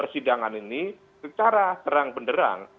sidangan ini secara terang benderang